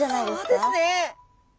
そうですね。